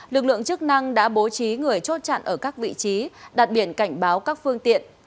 lực lượng chức năng đã bố trí người chốt chặn ở các vị trí đặt biển cảnh báo các phương tiện